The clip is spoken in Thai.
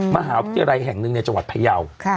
มหาวิทยาลัยแห่งหนึ่งในจังหวัดพยาว